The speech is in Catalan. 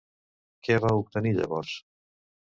Què va obtenir llavors?